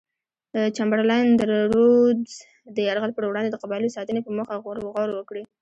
چمبرلاین د رودز د یرغل پر وړاندې د قبایلو ساتنې په موخه غور وکړي.